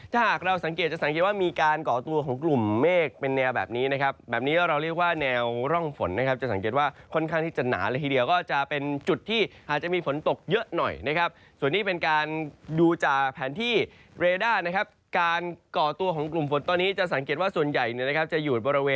ถ้าหากเราสังเกตจะสังเกตว่ามีการก่อตัวของกลุ่มเมฆเป็นแนวแบบนี้นะครับแบบนี้ก็เราเรียกว่าแนวร่องฝนนะครับจะสังเกตว่าค่อนข้างที่จะหนาเลยทีเดียวก็จะเป็นจุดที่อาจจะมีฝนตกเยอะหน่อยนะครับส่วนนี้เป็นการดูจากแผนที่เรด้านะครับการก่อตัวของกลุ่มฝนตอนนี้จะสังเกตว่าส่วนใหญ่เนี่ยนะครับจะอยู่บริเวณ